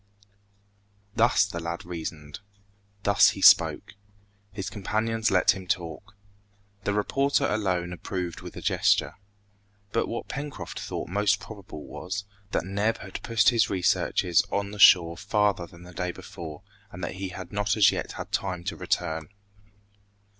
Thus the lad reasoned. Thus he spoke. His companions let him talk. The reporter alone approved with a gesture. But what Pencroft thought most probable was, that Neb had pushed his researches on the shore farther than the day before, and that he had not as yet had time to return.